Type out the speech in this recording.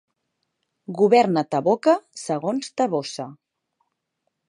Governa ta boca segons ta bossa.